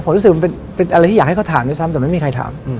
ผมรู้สึกมันเป็นอะไรที่อยากให้เขาถามด้วยซ้ำแต่ไม่มีใครถาม